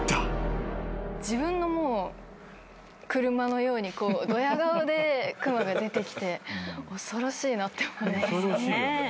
自分の車のようにどや顔で熊が出てきて恐ろしいなって思いました。